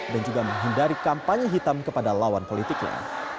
dan juga menghindari kampanye hitam kepada lawan politiknya